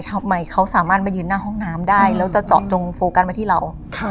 ทำไมเขาสามารถมายืนหน้าห้องน้ำได้แล้วจะเจาะจงโฟกัสมาที่เรา